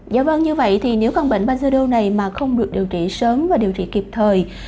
dạ vâng như vậy nếu bệnh bajedo này không được điều trị sớm và điều trị kịp thời